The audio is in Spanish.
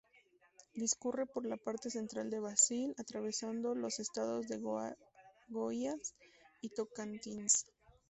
Discurre por la parte central de Brasil, atravesando los estados de Goiás y Tocantins.